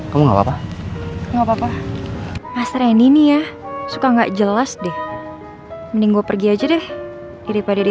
kamu enggak papa enggak papa mas reni ya suka nggak jelas deh mending gue pergi aja deh daripada dphp in gue